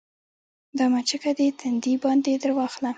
دا مچکه دې تندي باندې درواخله